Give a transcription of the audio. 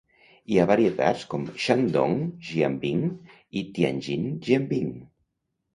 Hi ha varietats com Shandong Jianbing i Tianjin Jianbing.